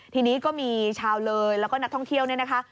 ทีนี้ก็มีชาวเลยแล้วก็นักท่องเที่ยวเนี่ยนะคะ